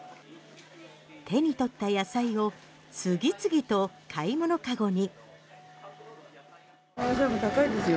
手に取った野菜を次々と買い物籠に。